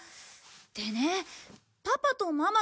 でねパパとママが。